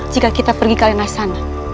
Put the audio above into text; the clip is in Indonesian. jika kita pergi ke lain asana